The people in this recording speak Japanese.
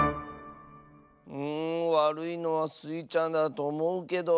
うんわるいのはスイちゃんだとおもうけど。